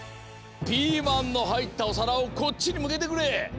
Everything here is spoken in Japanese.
ピーマンのはいったおさらをこっちにむけてくれ。